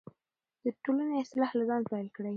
د ټولنې اصلاح له ځانه پیل کړئ.